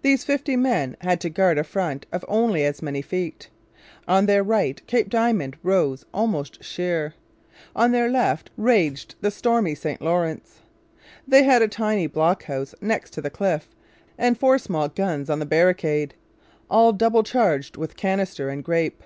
These fifty men had to guard a front of only as many feet. On their right Cape Diamond rose almost sheer. On their left raged the stormy St Lawrence. They had a tiny block house next to the cliff and four small guns on the barricade, all double charged with canister and grape.